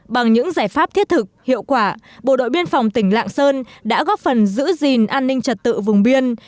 bằng những giải pháp thiết thực hiệu quả bộ đội biên phòng tỉnh lạng sơn đã góp phần giữ gìn an ninh trật tự vùng biên